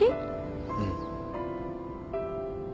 うん。